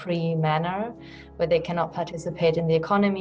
di mana mereka tidak bisa berpartisipasi dalam ekonomi